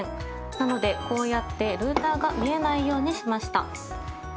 なのでこうやってルーターが見えないようにしました。